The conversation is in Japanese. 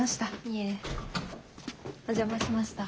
いえお邪魔しました。